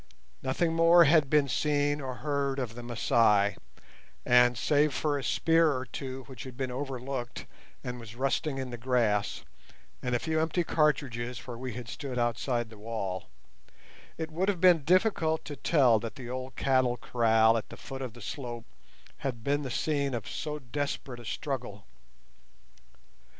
Nothing more had been seen or heard of the Masai, and save for a spear or two which had been overlooked and was rusting in the grass, and a few empty cartridges where we had stood outside the wall, it would have been difficult to tell that the old cattle kraal at the foot of the slope had been the scene of so desperate a struggle.